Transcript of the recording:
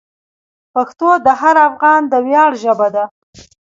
پښتو د هر افغان د ویاړ ژبه ده.